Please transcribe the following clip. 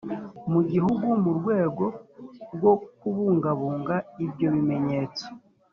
mu gihugu mu rwego rwo kubungabunga ibyo bimenyetso